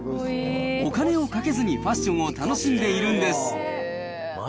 お金をかけずにファッションを楽しんでいるんです。